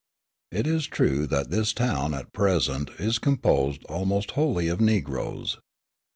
It is true that this town, at present, is composed almost wholly of Negroes.